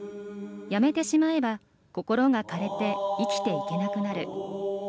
やめてしまえば、心が枯れて生きていけなくなる。